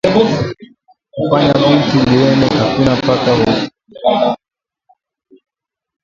Kufanya bintu binene akuna paka kwa ba baba